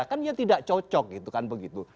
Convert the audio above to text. kan ya tidak cocok gitu kan begitu